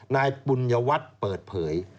นายปุญวัตรเปิดเผย